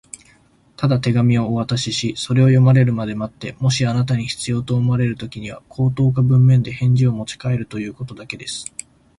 「ただ手紙をお渡しし、それを読まれるまで待って、もしあなたに必要と思われるときには、口頭か文面で返事をもちかえるということだけです」